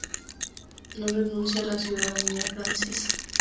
No renuncia a la ciudadanía francesa.